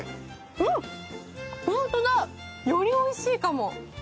本当だ、よりおいしいかも。